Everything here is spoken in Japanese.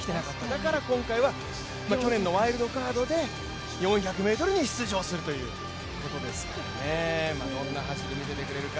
だから今回は去年のワイルドカードで４００ｍに出場するということですからどんな走りを見せてくれるか。